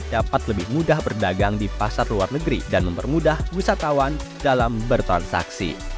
dapat lebih mudah berdagang di pasar luar negeri dan mempermudah wisatawan dalam bertransaksi